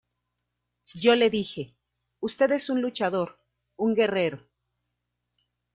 Yo le dije: Usted es un luchador, un guerrero.